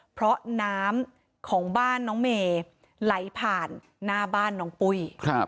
เพราะน้ำของบ้านน้องเมย์ไหลผ่านหน้าบ้านน้องปุ้ย